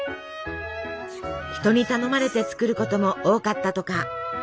人に頼まれて作ることも多かったとか。